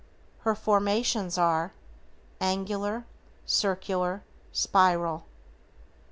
Her formations are: Angular, Circular, Spiral.